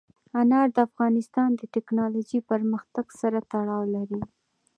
انار د افغانستان د تکنالوژۍ پرمختګ سره تړاو لري.